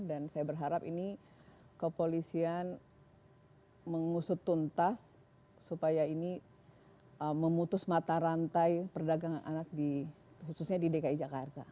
dan saya berharap ini kepolisian mengusut tuntas supaya ini memutus mata rantai perdagangan anak di khususnya di dki jakarta